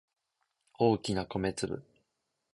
大きな米粒